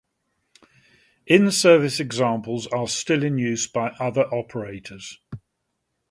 In-service examples are still in use by other operators.